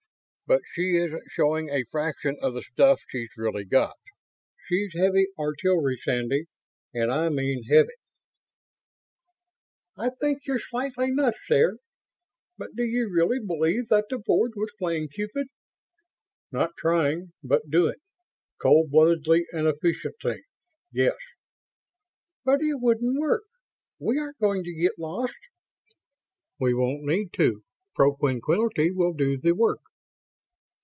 But she isn't showing a fraction of the stuff she's really got. She's heavy artillery, Sandy. And I mean heavy." "I think you're slightly nuts there. But do you really believe that the Board was playing Cupid?" "Not trying, but doing. Cold bloodedly and efficiently. Yes." "But it wouldn't work! We aren't going to get lost!" "We won't need to. Propinquity will do the work."